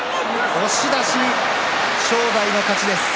押し出し正代の勝ちです。